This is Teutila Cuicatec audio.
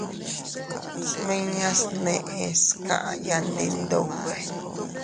Smiñas neʼes kaya ndi Iyndube.